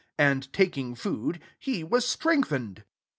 19 And taking food, le was strengthened.